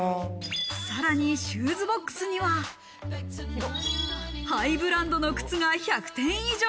さらにシューズボックスには、ハイブランドの靴が１００点以上。